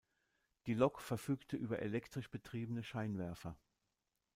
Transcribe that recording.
Die Lok verfügte über elektrisch betriebene Scheinwerfer.